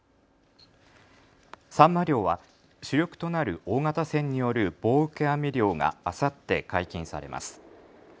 サンマ漁は主力となる大型船による棒受け網漁があさって解禁されます。